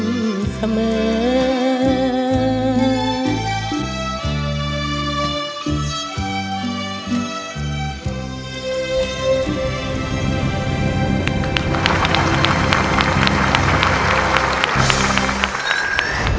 คนไทยรักชาและศาสนาชาติองเจ้าภูทรงเพียงเหนือนาวุ่น